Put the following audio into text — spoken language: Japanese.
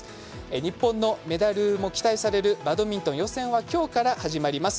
日本のメダルも期待されるバドミントン、予選はきょうから始まります。